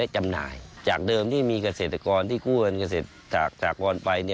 จากเดิมที่มีเกษตรกรที่ควรเกษตรศักดิ์กรไป